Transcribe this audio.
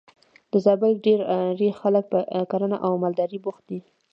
د زابل ډېری خلک په کرنه او مالدارۍ بوخت دي.